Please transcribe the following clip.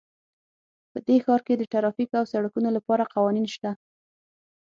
په دې ښار کې د ټرافیک او سړکونو لپاره قوانین شته